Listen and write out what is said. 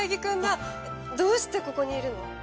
どうしてここにいるの？